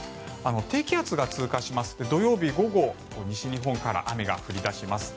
低気圧が通過しまして土曜日午後西日本から雨が降り出します。